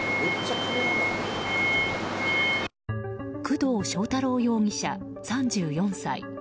工藤将太郎容疑者、３４歳。